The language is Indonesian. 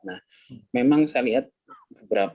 nah memang saya lihat beberapa